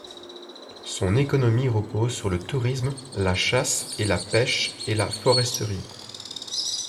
Son économie repose sur le tourisme, la chasse et la pêche et la foresterie.